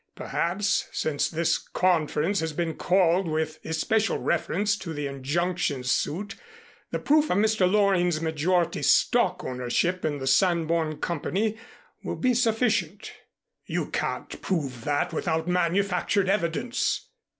Perhaps, since this conference has been called with especial reference to the injunction suit, the proof of Mr. Loring's majority stock ownership in the Sanborn Company will be sufficient." "You can't prove it without manufactured evidence."